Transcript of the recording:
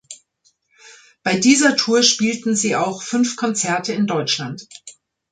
Bei dieser Tour spielten sie auch fünf Konzerte in Deutschland.